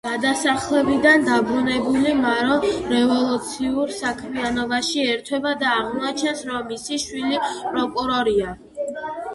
გადასახლებიდან დაბრუნებული მარო რევოლუციურ საქმიანობაში ერთვება და აღმოაჩენს, რომ მისი შვილი პროკურორია.